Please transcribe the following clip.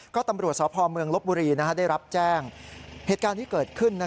ก็ตำรวจสพเมืองลบบุรีได้รับแจ้งเหตุการณ์ที่เกิดขึ้น